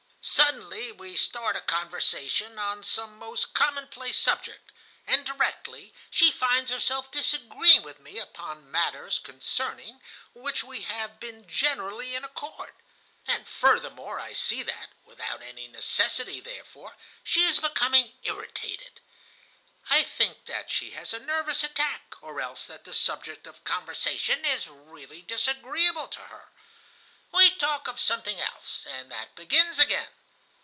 Suddenly we start a conversation on some most commonplace subject, and directly she finds herself disagreeing with me upon matters concerning which we have been generally in accord. And furthermore I see that, without any necessity therefor, she is becoming irritated. I think that she has a nervous attack, or else that the subject of conversation is really disagreeable to her. We talk of something else, and that begins again.